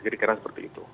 jadi kira kira seperti itu